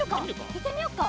いってみよっか！